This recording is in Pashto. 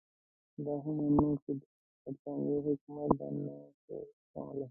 دا هم منم چې د برټانیې حکومت دا نه شوای زغملای.